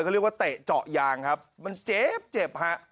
เขาเรียกว่าเตะเจาะยางครับมันเจ็บเจ็บฮะ